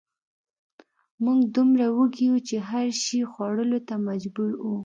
موږ دومره وږي وو چې هر شي خوړلو ته مجبور وو